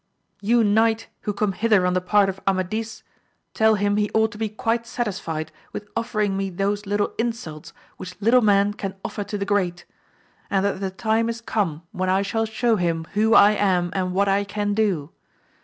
You knight who come hither on the part of Amadis, tell him he ought to be quite satisfied with offering me those little insults which little men can offer to the great : and that the time is come when I shall show him who I am, and what I can do.